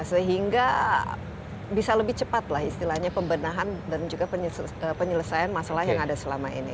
sehingga bisa lebih cepat lah istilahnya pembenahan dan juga penyelesaian masalah yang ada selama ini